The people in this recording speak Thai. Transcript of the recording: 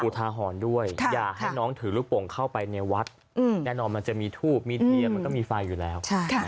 ทาหรณ์ด้วยอย่าให้น้องถือลูกโป่งเข้าไปในวัดแน่นอนมันจะมีทูบมีเทียนมันก็มีไฟอยู่แล้ว